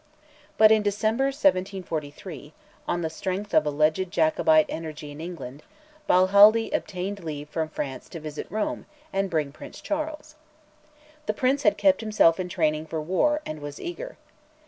But, in December 1743, on the strength of alleged Jacobite energy in England, Balhaldy obtained leave from France to visit Rome and bring Prince Charles. The Prince had kept himself in training for war and was eager.